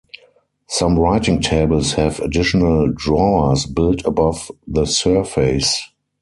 Some writing tables have additional drawers built above the surface.